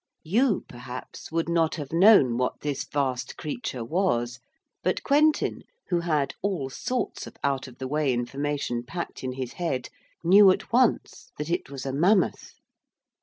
You, perhaps, would not have known what this vast creature was, but Quentin, who had all sorts of out of the way information packed in his head, knew at once that it was a mammoth.